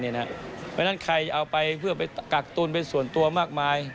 เพราะฉะนั้นใครเอาไปเพื่อไปกักตุ้นเป็นส่วนตัวมากมาย